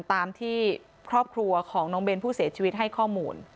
ตามที่ครอบครัวของน้องเบนผู้เสียชีวิตให้ข้อมูล